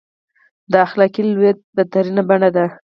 د اخلاقي لوېدا بدترینه بڼه ده.